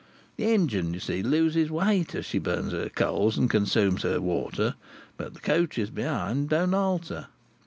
The engine, you see, loses weight as she burns her coals and consumes her water, but the coaches behind don't alter.